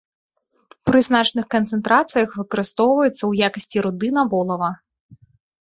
Пры значных канцэнтрацыях выкарыстоўваецца ў якасці руды на волава.